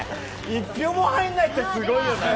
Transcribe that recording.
１票も入んないってすごいよね。